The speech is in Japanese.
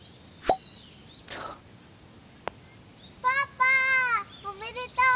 「パパおめでとう！